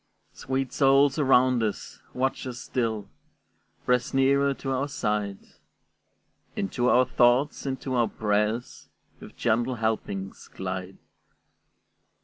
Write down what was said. Sweet souls around us! watch us still; Press nearer to our side; Into our thoughts, into our prayers, With gentle helpings glide.